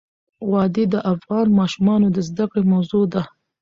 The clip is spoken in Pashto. وادي د افغان ماشومانو د زده کړې موضوع ده.